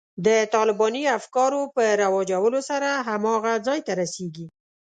د طالباني افکارو په رواجولو سره هماغه ځای ته رسېږي.